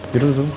duduk dulu dulu